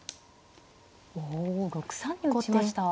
おお６三に打ちました。